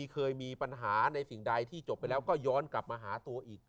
เคยมีปัญหาในสิ่งใดที่จบไปแล้วก็ย้อนกลับมาหาตัวอีก